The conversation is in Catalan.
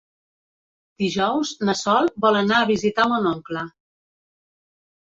Dijous na Sol vol anar a visitar mon oncle.